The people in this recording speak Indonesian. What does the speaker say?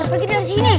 kita pergi dari sini